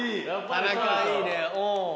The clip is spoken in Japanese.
田中いいね。